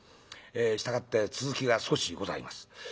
え従って続きが少しございます。